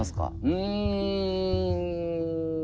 うん。